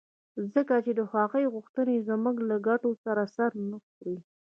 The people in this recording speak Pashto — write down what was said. ځکه چې د هغوی غوښتنې زموږ له ګټو سره سر نه خوري.